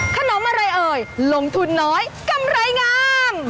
ขนมอะไรเอ่ยลงทุนน้อยกำไรงาม